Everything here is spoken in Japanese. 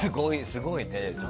すごいね。